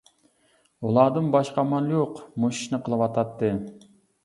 ئۇلاردىمۇ باشقا ئامال يوق مۇشۇ ئىشنى قىلىۋاتاتتى.